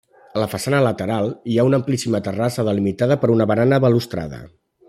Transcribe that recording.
A la façana lateral, hi ha una amplíssima terrassa delimitada per una barana balustrada.